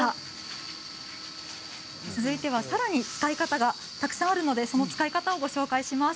続いてはさらに使い方がたくさんあるので使い方をご紹介します。